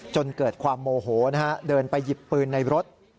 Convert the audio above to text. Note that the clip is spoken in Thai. จนเกิดความโมโหนะฮะเดินไปหยิบปืนในรถ